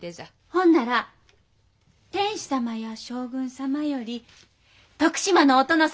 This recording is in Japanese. ほんなら天子様や将軍様より徳島のお殿様の方が偉いんじゃな？